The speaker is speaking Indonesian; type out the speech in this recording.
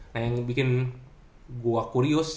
nah yang bikin gua kurius